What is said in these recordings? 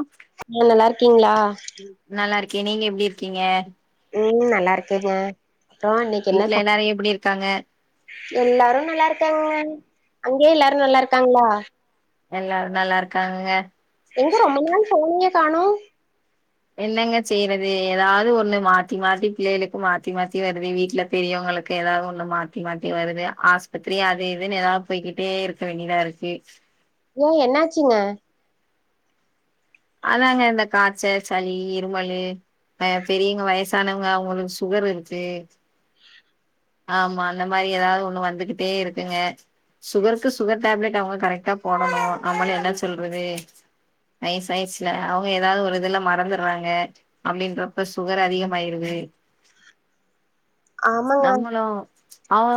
ஆ ஆ நல்லாருக்கீங்ளா நல்லாருக்கே நீங்க எப்டி இருக்கீங்க ம் நல்லாருக்கேங்க அப்றோ இன்னைக்கி என்ன வீட்ல ச எல்லாரு எப்டி இருக்காங்க எல்லாரு நல்லாருக்காங்கங்க அங்க எல்லாரு நல்லாருக்காங்ளா எல்லாரு நல்லாருக்காங்கங்க எங்க ரொம்ப நாள் ஃபோனயே காணு என்னங்க செய்யறது எதாது ஒன்னு மாத்தி மாத்தி பிள்ளேகளுக்கு மாத்தி மாத்தி வருது வீட்ல பெரியவங்களுக்கு எதாவாது ஒன்னு மாத்தி மாத்தி வருது ஆஸ்பத்திரி அது இதுன்னு எதாது போய்கிட்டேருக் க வேண்டிதாருக்கு ஏ என்னாச்சுங்க அதாங்க இந்த காச்ச சளி இருமலு அ பெரிங்க வயசானவங்க அவுங்களுக்கு சுகர் இருக்கு ஆமா அந்த மாரி எதாது ஒன்னு வந்துகிட்டே இருக்குங்க சுகருக்கு சுகர் டேப்லட் அவுங்க கரெக்ட்டா போடணு நம்மலு என்ன சொல்றது வயசாயிச்சுல அவுங்க எதாவுது ஒரு இதுல மறந்தர்றாங்க அப்டின்றப்ப சுகர் அதிகமாயிருது ஆமாங்க நம்மளு அவு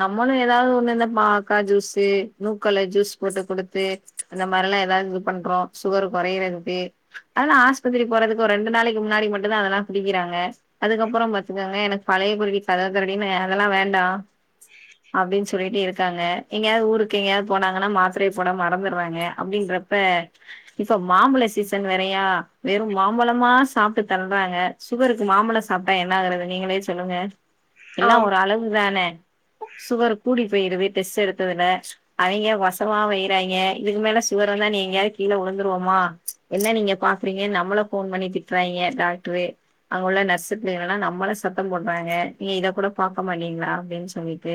நம்மளு எதாது ஒன்னு இந்த பாவக்கா ஜூஸ்ஸு நூக்கல ஜூஸ் போட்டு குடுத்து இந்த மாரிலா எதாது இது பண்றோ சுகரு கொறயறதுக்கு அதுலா ஆஸ்பத்திரி போறதுக்கு ஒரு ரெண்டு நாளைக்கி முன்னாடி மட்டுந்தா அதெல்லா குடிக்கிறாங்க அதுக்கப்பறோ பாத்துக்கங்க எனக்கு பழைய குருடி கதவ தெறடின்னு அதெல்லா வேண்டா அப்டின் சொல்லிட்டு இருக்காங்க எங்கேயாது ஊருக்கு எங்கேயாது போனாங்கன்னா மாத்திரைய போட மறந்தட்றாங்க அப்டின்றப்ப இப்போ மாம்பழோ சீசன் வேறயா வெறு மாம்பழமா சாப்ட்டு தள்றாங்க சுகருக்கு மாம்பழோ சாப்ட்டா என்னாகறது நீங்களே சொல்லுங்க எல்லா ஆம் ஒரு அளவுதான சுகர் கூடி போயிருது டெஸ்ட் எடுத்ததுல அவிங்க வசமா வய்யறாங்க இதுக்கு மேல சுகர் வந்தா நீ எங்கயாது கீழ உழுந்துருவமா என்ன நீங்க பாக்றீங்கன் நம்மள ஃபோன் பண்ணி திட்றாய்ங்க டாக்டரு அங்க உள்ள நர்ஸு புள்ளைகளெல்லா நம்மள சத்தம் போட்றாங்க நீ இத கூட பாக்க மாட்டீங்ளா அப்டின் சொல்லிட்டு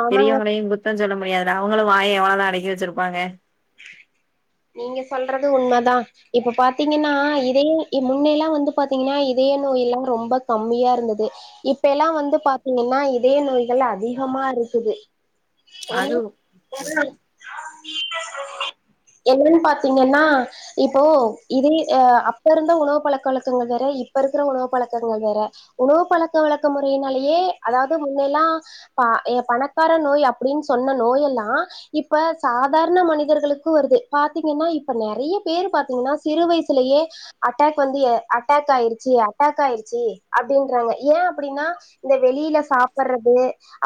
ஆமாங்க பெரியவங்களையு குத் தோ சொல்ல முடியாதுல்ல அவுங்களு வாய எவ்ளோதா அடக்கி வெச்சிருப்பாங்க நீங்க சொல்றது உண்மதா இப்ப பாத்தீங்கன்னா இதய முன்னயெல்லா வந்து பாத்தீங்கன்னா இதய நோய் எல்லா ரொம்ப கம்மியா இருந்தது இப்பயெல்லா வந்து பாத்தீங்கன்னா இதய நோய்கள் அதிகமா இருக்குது என்ன என்னன் பாத்தீங்கன்னா இப்போ இதே அ அப்ப இருந்த உணவு பழக்க வழக்கங்கள் வேற இப்ப இருக்கற உணவு பழக்கங்கள் வேற உணவு பழக்க வழக்க முறையினாலயே அதாவது முன்னல்லா பா பணக்கார நோய் அப்டின் சொன்ன நோயெல்லா இப்ப சாதாரண மனிதர்களுக் கு வருது பாத்தீங்கன்னா இப்ப நெறைய பேரு பாத்தீங்கன்னா சிறு வய்சுலயே அட்டாக் வந்து எ அட்டாக் ஆயிருச்சு அட்டாக் ஆயிருச்சு அப்டின்றாங்க ஏ அப்டின்னா இந்த வெளியில சாப்பறது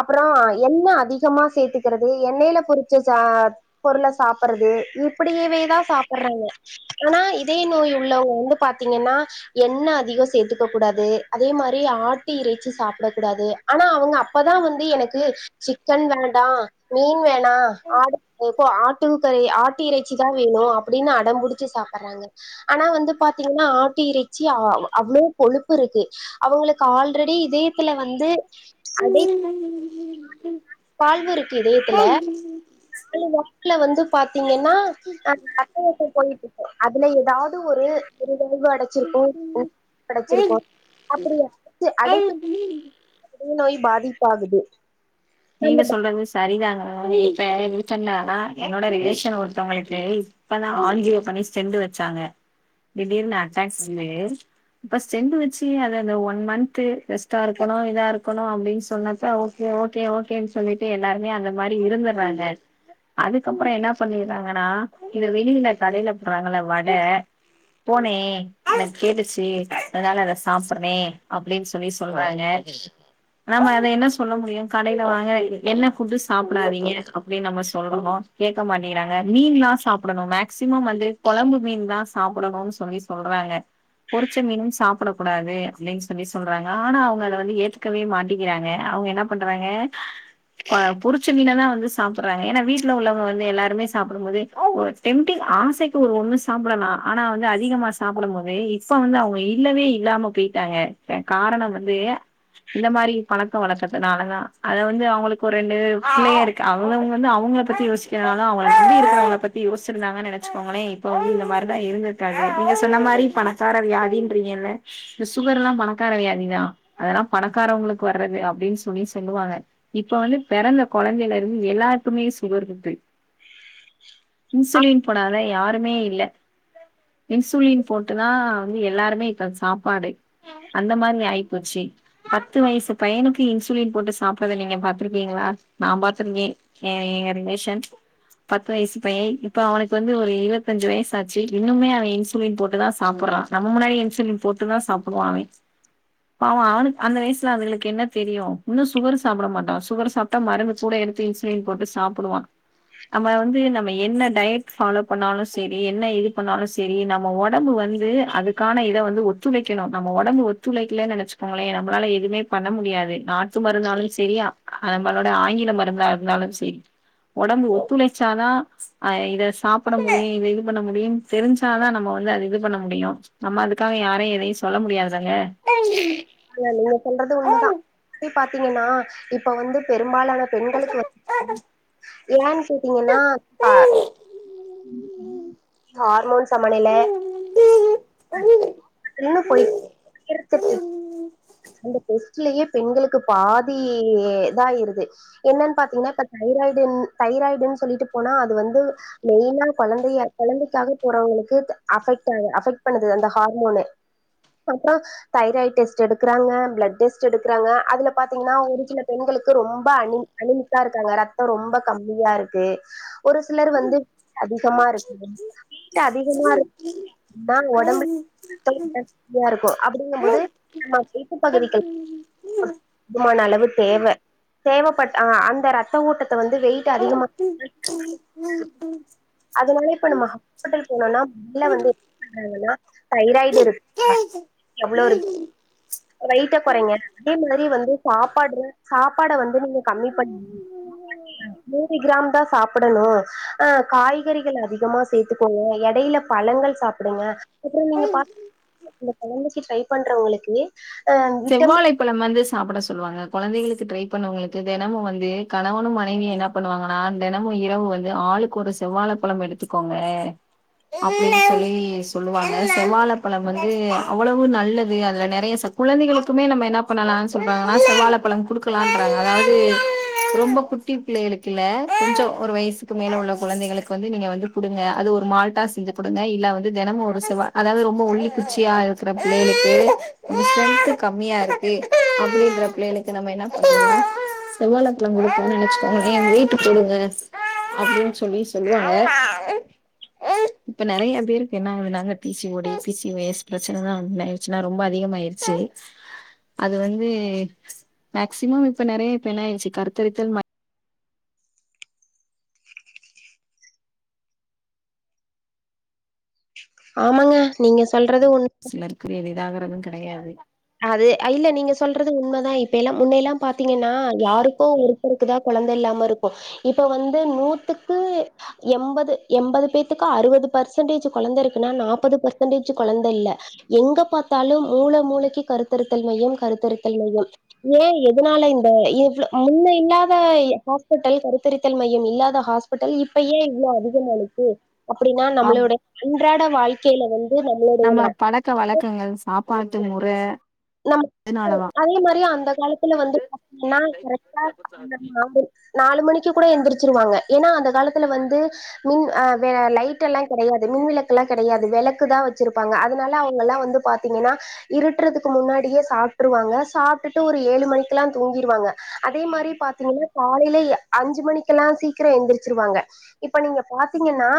அப்பறோ எண்ண அதிகமா சேத்துக்கறது எண்ணைல பொரிச்ச ச பொருள சாப் பறது இப்படியவேதான் சாப்பறாங்க ஆனா இதய நோய் உள்ளவங்க வந்து பாத்தீங்கன்னா எண்ணெ அதிகம் சேத்துக்க கூடாது அதே மாரி ஆட்டு இறைச்சி சாப்ட கூடாது ஆனா அவங்க அப்பதான் வந்து எனக்கு சிக்கன் வேண்டா மீன் வேண்டா ஆடு இப்போ ஆட்டுக்கரி ஆட்டு இறைச்சி தான் வேணும் அப்டின் அடம்புடிச்சு சாப்பறாங்க ஆனா வந்து பாத்தீங்கன்னா ஆட்டு இறைச்சி அ அவ்ளோ கொழுப்பு இருக்கு அவங்களுக்கு ஆல்ரெடி இதயத்துல வந்து அடைப் வால்வு இருக்கு இதயத்துல [inaudible] வந்து பாத்தீங்கன்னா ஆ [inaudible] போயிட்டு இருக்கன் அதுல எதாவது ஒரு ஒரு [inaudible] அடச்சிருக்கும் அடச்சிருக்கோ அப்படியா அடைப்பு அது [inaudible] நோய் பாதிப்பாகுது நீங்க அந்த சொல்றது சரிதாங்க இப்ப [unintelligible] என்னோட ரிலேஷன் ஒருத்தவங்களுக்கு இப்பதான் ஆஞ்சியோ பண்ணி ஸ்டெண்டு வெச்சாங்க திடீர்னு அட்டாக் வந்து இப்ப ஸ்டெண்ட் வெச்சு அத அந்த ஒன் மன்த் ரெஸ்ட்டா இருக்கணும் இதா இருக்கணும் அப்டின் சொன்னப்ப ஓ கே ஓகே ஓகேன்னு சொல்லிட்டு எல்லாருமே அந்த மாரி இருந்துறாங்க அதுக்கப்பறம் என்ன பண்ணிறாங்கன்னா இது வெளில கடையில போடுறாங்கள வட போனே எனக்கு கேட்டுச்சு அதனால அத சாப்பற்றேன் அப்டின் சொல்லி சொல்றாங்க நாம அத என்ன சொல்ல முடியும் கடை ல வாங்கன எண்ண ஃபுட்டு சாப்பிடாதீங்க அப்டின் நம்ம சொல்றோம் கேட்க மாட்டேங்கறாங்க மீன்லாம் சாப் டணும் மேக்சிமம் வந்து கொழம்பு மீன் தான் சாப்பிடணும்னு சொல்லி சொல்றாங்க பொறிச்ச மீனும் சாப்பிட கூடாது அப்டின் சொல்லி சொல்றாங்க ஆனா அவங்க அத வந்து ஏத்துகவே மாட்டிக்கிறாங்க அவங்க என்ன பண்றாங்க ஆ பொரிச்ச மீனதான் வந்து சாப்பறாங்க ஏன்னா வீட்டு்ல உள்ளவங்க வந்து எல்லாருமே சாப்பிடும் போது டெம்டிங் ஆசைக்கு ஒரு ஒண்ணு சாப்டலாம் ஆனா வந்து அதிகமா சாப்பிடும் போது இப்ப வந்து அவங்க இல்லவே இல்லாம போயிட்டாங்க காரணம் வந்து இந்த மாதிரி பழக்கம் வழக்கத்துனால தான் அத வந்து அவங்களுக்கு ஒரு ரெண்டு பிள்ளைய இருக்கு அவங்கவுங்க வந்து அவங்கள பத்தி யோசிக்கிறனாலும் அவங்க நம்பி இருக்கிறவங்கள பத் தி யோச்சிருந்தாங்கன்னு நெனச்சுக்கோங்களே இப்ப வந்து இந்த மாரிதான் இருந்திருக்காங்க நீங்க சொன்ன மாரி பணக்கார வியாதின்றீங்க இல்ல இந்த சுகர் எல்லாம் பணக்கார வியாதிதான் அதெல்லாம் பணக்காரவங்களுக்கு வர்றது அப்டின் சொல்லி சொல்லுவாங்க இப்ப வந்து பிறந்த கொழந்தைல இருந்து எல்லாருக்குமே சுகர் இருக்கு இன்சுலின் போடாத யாருமே இல்ல இன்சுலின் போட்டுதா வந்து எல்லாருமே இப்ப சாப்பாடே அந்த மாரி ஆயிப்போச்சு பத்து வயசு பையனுக்கு இன்சுலின் போட்டு ஸ் சாப்பிறத நீங்க பாத்ருக்கீங்களா நா பாத்திருக்கே ஏ எங்க ரிலேஷன் பத்து வயசு பைய இப்ப அவனுக்கு வந்து ஒரு இருவத்தஞ்சு வயசு ஆச்சு இன்னுமே அவ இன்சுலின் போட்டுதா சாப்பிறா நம் முன்னாடி இன்சுலின் போட்டுதா சாப்பிடுவா அவே பாவோ அவனுக் அந்த வயசுல அதுகளுக் என்ன தெரியு இன்னு ஸ் சுகரு சாப்ட மாட்டா சுகரு சாப்ட்டா மருந்து கூட எடுத்து இன்சுலின் போட்டு சாப்டுவா நம்ம வந்து நம்ம என்ன டயட் ஃபாலோ பண்ணாலு செரி என்ன இது பண்ணாலு செரி நம் ம ஒடம்பு வந்து அதுக்கான இத வந்து ஒத்துழைக்கணு நம்ம உடம்பு ஒத்துழைக்கல நெனச் சுக்கோங்களே நம்மளால எதுமே பண்ண முடியாது நாட் டு மருந்தாலு சரியா நம்மளோட ஆங்கில மருந்தா இருந்தாலும் சரி ஒடம்பு ஒத்துழைச்சாதா அ இத சாப்பிட முடியு இத இது பண்ண முடியு தெரிஞ்சாதா நம்ம வந்து அது இது பண்ண முடியு நம்ம அதுக்காக யாரையு எதையு சொல்ல முடியாதாங்க இல்ல நீங்க சொல்றது உண்மதா எப்டி பாத்தீங்கன்னா இப்ப வந்து பெரும்பாலான பெண்களுக்கு ஏன்னு கேட்டீங்கன்னா கார் ஹார்மோன் சமநில இன்னு பொய்ட் இருத்துட்டு அந்த டெஸ்ட்லயே பெண்களுக்கு பாதி தாய்ருது என்னன் பாத்தீங்கன்னா இப்ப தைராய்டுன் தைராய்டுன் சொல்லிட்டு போனா அது வந்து மெய்னா கொழந்தய கொழந்தைக்காக போறவங்ளுக்கு அஃபெக்டா அஃபெக்ட் பண்ணுது அந்த ஹார்மோனு அப்றோ தைராய்ட் டெஸ்ட் எடு க்றாங்க பிளட் டெஸ்ட் எடுக்றாங்க அதுல பாத்தீங்கன்னா ஒரு சில பெண்களுக்கு ரொம்ப அனி அனிமிக்கா இருக்காங்க ரத்தோ ரொம்ப கம்மியா இருக்கு ஒரு சிலர் வந்து அதிகமாருக்கு வீட்ல அதிகமா இருக் னா ஒடம்பு [inaudible] இருக்கு அப்டிங்கும் போது நம்ம வீட்டு பகுதிகள் போ துமான அளவு தேவ தேவப்பட்டா அந்த ரத் ரத்த ஓட்டத்த வந்து வெயிட் அதிகமா அதனால இப்ப நம்ம ஹாஸ்பிட்டல் போனோனா மொதல்ல வந்து என்னனா தைராய்டு இருக்கா நாடி வெயிட்ட கொறைங்க அதே மாரி வந்து சாப்பாட்ற சாப்பாட வந்து நீங்க கம்மி பண்ணி நூறு கிராம் தா சாப் பிடணு அ காய்கறிகள் அதிகமா சேத்துக்கோங்க எடையில பழங்கள் சாப்டுங்க அப்றோ நீங்க பாத் இந்த கொழந்தைக்கு ட்ரை பண்றவங்ளுக்கு செவ்வாழை பழம் வந்து சாப்பிட சொல்வாங்க கொழந்தைகளுக்கு ட்ரை பண்ணவங்ளுக்கு தெனமு வந்து கணவனு மனைவியு என்ன பண்ணுவாங்கன்னா தெனமு இரவு வந்து ஆளுக்கொரு செவ்வாழ பழம் எடுத்துக்கோங்க அப்டினு சொல்லி சொல்லுவாங்க செவ்வாழ பழம் வந்து அவ்ளவு நல்லது அதுல நெறைய சத் கொழந்தைகளுக்குமே நம்ம என்ன பண்ணலானு சொல்றாங்கனா செவ்வாழ பழம் குடுக்கலான்றாங்க அதாவது ரொம்ப கு குட்டிபிள்ளைகளுக்கில்ல கொஞ்சோ ஒரு வயசுக்கு மேல உள்ள குழந்தைங்களுக்கு வந்து நீங்க வந்து குடுங்க அது ஒரு மால்ட்டா செஞ்சு குடுங்க இல்ல வந்து தெனமு ஒரு செவ்வா அதாவது ரொம்ப ஒல்லி குச்சியா இருக்ற பிள்ளைகளுக்கு ஸ்டென்த் கம்மியாருக்கு அப்டின்ற பிள்ளைங்ளுக்கு நம்ம என்ன பண்றது செவ்வாழப்பழோ கொடுக்கோன்னு நெனச்சுக்கோங்களே வெய்ட் போடுங்க அப்டின்னு சொல்லி சொல்லுவாங்க இப்ப நெறைய பேருக்கு என்ன ஆகுதுனாங்க டிசி ஓடி பிசி ஒஸ் ப்ரச்சனதான்ச்சுன்னா ரொம்ப அதிகமாயிரு சேரி அது வந்து மேக்சிமம் இப்ப நெறைய இப்ப என்ன ஆய்ருச்சு கருத்தரித்தல் மை ஆமாங்க நீங்க சொல்றது உண் [unintelligible] எளிதாகறது கெடையாது அது இல்ல நீங்க சொல்றது உண்மைதா இப்பல்லா முன்னயெல்லா பாத்தீங்கன்னா யாருக்கோ ஒரு ஒருத்தருக்குதா கொழந்த இல்லாமருக்கு இப்ப வந்து நூத்துக்கு எம்பது எம்பது பேத்துக்கு அறுவது பெர்சன்டேஜ் கொழந்தருக்குன்னா நாப்பது பெர்சன்டேஜ் கொழந்த இல்ல எங்க பாத்தாலும் மூல மூலைக்கு கருத்தருத்தல் மையம் கருத்தருத்தல் மையம் ஏ எதுனால இந்த இவ்ளோ முன்ன இல்லாத ஹாஸ்பிட்டல் கருத்தரித்தல் மையம் இல்லாத ஹாஸ் பிடல் இப்ப ஏ இவ்ளோ அதிகமானுச்சு அப்டின்னா ஆம் நம்மளோட அன்றாட வாழ்க்கையில வந்து நம்ம பழக்க வழக்கங்கள் சாப்பாட்டு முற நம் [unintelligible] இதனாலதா அதே மாரி அந்த காலத்துல வந்து பாத்தீங்கன்னா ரெட்ட [unintelligible] நாலு மணிக்கு கூட எந்துருச்ருவாங்க ஏன்னா அந்த காலத்துல வந்து மின் அ வ லைட் எல்லா கெடையாது மின் விளக்குல்லா கெடையாது வெளக்கு தா வச்ருப்பாங்க அதனால அவங்கல்லா வந்து பாத் பாத்திங்கன்னா இருட்றதுக்கு முன்னாடியே சாப்ட்டுருவாங்க சாப்ட்டுட்டு ஒரு ஏழு மணிக்கு எல்லா தூங்கிடுவாங்க அதே மாரி பாத்தீங்கன்னா காலையில அஞ்சு மணிக்க எல்லா சீக்கிரம் எந்திரிச்சிருவாங்க இப்ப நீங்க பாத்தீங்கன்னா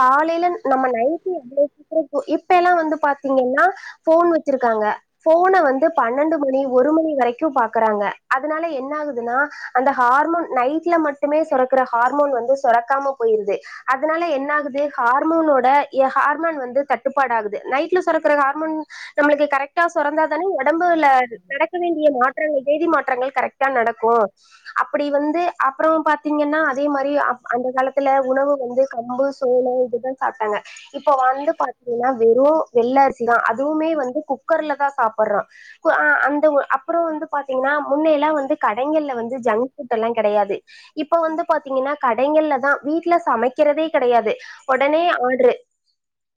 காலையில நம்ம நைட்டு எவ்ளோ சீக்கிர தூங் இப்ப எல்லா வந்து பாத்தீங்கன்னா போன் வச்சிருக்காங்க போன வந்து பன்னெண்டு மணி ஒரு மணி வரைக்கு பாக்குறாங்க அதனால என்ன ஆகுதுன்னா அந்த ஹார்மோன் நைட்ல மட்டுமே சுரக்குற ஹார்மோன் வந்து சுரக்காம போயிருது அதனால என்ன ஆகுது ஹார்மோனோட எ ஹார்மோன் வந்து தட்டுப்பாடு ஆகுது நைட்ல சுரக்குற ஹார்மோன் நம்மளுக்கு கரெக்ட்டா சுரந்தா தானே ஒடம்புல நடக்க வேண்டிய மாற்றங்கள் வேதி மாற்றங்கள் கரெக்டா நடக்கு அப்டி வந்து அப்பறம் பாத்தீங்கன்னா அதே மாரி அந்த காலத்துல உணவு வந்து கம்பு சோளம் இதுதா சாப்ட்டாங்க இப்ப வந்து பாத்தீங்கன்னா வெறும் வெள்ளரிசிதா அதுவுமே வந்து குக்கர்ல தா சாப்டுறான் பு அ அந்த ஒ அப்பறம் வந்து பாத்தீங்கன்னா முன்னையெல்லா வந்து கடைகள்ல வந்து ஜங்க் ஃபுட் எல்லா கெடையாது இப்ப வந்து பாத்தீங்கன்னா கடைகள்லதா வீட்டுல சமைக்கிறதே கெடையாது ஒடனே ஆர்டரு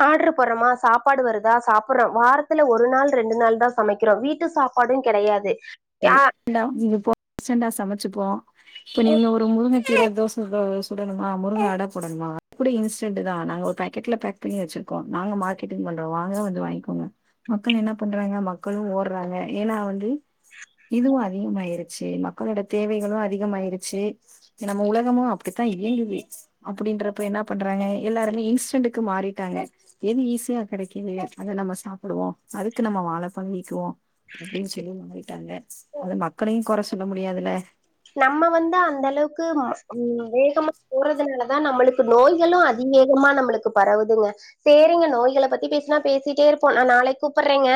ஆர்டரு போடுறோமா சாப்பாடு வருதா சாப்டுறோம் வாரத்துல ஒரு ஒரு நாள் ரெண்டு நாள் தா சமைக்கிறோ வீட்டு சாப்பாடும் கெடையாது ஆ [unintelligible] சமைச்சுப்போ இப்ப நீங்க ஒரு முருங்க கீ ச தோசை சுடணுமா முருங்க அட போடணுமா கூட இன்ஸ்டண்ட் தா நாங்க ஒரு பேக்கெட்ல பேக் [unintelligible] வச்சிருக்கோம் நாங்க மார்கெட்டிங் பண்றோ வாங்க வந்து வாங்கிகோங்க மக்கள் என்ன பண்றாங்க மக்களும் ஓடுறாங்க ஏன்னா வந்து இதுவும் அதிகமாயிருச்சு மக்களோட தேவைகளும் அதிகமயிருச்சு நம்ம உலகமும் அப்படித்தா இயங்கது அப்டின்றப்ப என்ன பண்றாங்க எல்லாரு இன்ஸ்டன்க்கு மாறிட்டாங்க எது ஈஸியா கெடைக்குது அத நம்ம சாப்பிடுவோ அதுக்கு நம்ம வாழபழகிக்குவோ அப்டின்னு சொல்லி மாறிட்டாங்க அது மக்களையு கொறை சொல்ல முடியாதுல நம்ம வந்து அந்த அளவுக்கு வேகமா போறதுனாலதா நம்மளுக்கு நோய்களு அதிவேகமா நம்மளுக்கு பரவுதுங்க சேரிங்க நோய்கள பத்தி பேசுனா பேசிட்டே இருப்போ நா நாளைக்கு கூப்ட்றேங்க